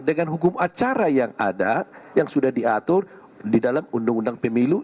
dengan hukum acara yang ada yang sudah diatur di dalam undang undang pemilu